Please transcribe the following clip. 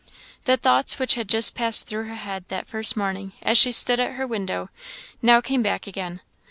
The thoughts which had just passed through her head that first morning, as she stood at her window, now came back again.